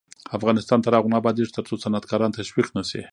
افغانستان تر هغو نه ابادیږي، ترڅو صنعتکاران تشویق نشي.